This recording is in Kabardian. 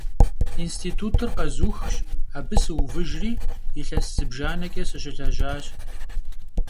Yinstitutır khezuxş, abı sıuvıjjri, yilhes zıbjjaneç'e sışılejaş.